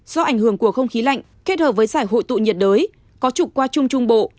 do ảnh hưởng của không khí lạnh kết hợp với giải hội tụ nhiệt đới có trục qua trung trung bộ